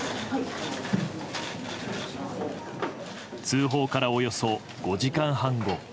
通報からおよそ５時間半後。